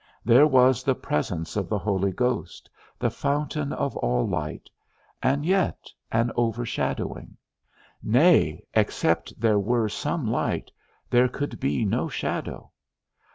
There was the presence of the Holy Ghost, the fountain of all light, and yet an overshadowing; nay, except there were some light, there could be no shadow.